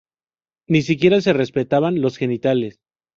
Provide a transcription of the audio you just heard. Ni siquiera se respetaban los genitales.